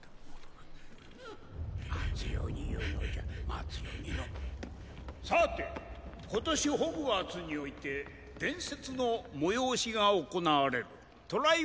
待つように言うのじゃ待つようにのさて今年ホグワーツにおいて伝説の催しが行われるトライ